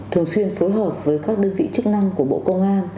thường xuyên phối hợp với các đơn vị chức năng của bộ công an